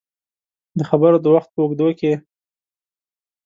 د خبرو د وخت په اوږدو کې